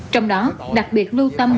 trong đó đặc biệt lưu tâm